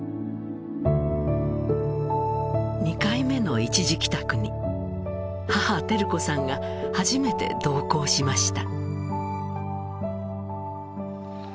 ２回目の一時帰宅に母・テル子さんが初めて同行しました